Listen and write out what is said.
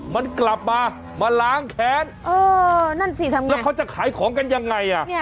มันกลับมามาล้างแขนแล้วเค้าจะขายของกันยังไง